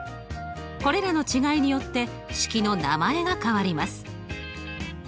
これらの違いによって式の名前が変わります。